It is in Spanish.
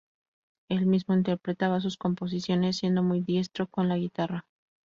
El mismo interpretaba sus composiciones, siendo muy diestro con la guitarra.